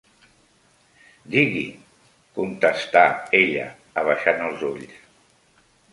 Digui,—contestà ella, abaixant els ulls.